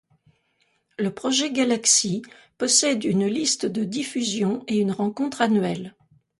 Le projet Galaxy possède une liste de diffusion et une rencontre annuelle.